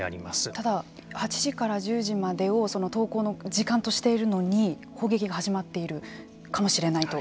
ただ、８時から１０時までを投降の時間としているのに砲撃が始まっているかもしれないと。